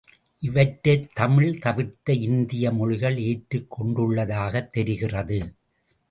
இவற்றைத் தமிழ் தவிர்த்த இந்திய மொழிகள் ஏற்றுக் கொண்டுள்ளதாகத் தெரிகிறது.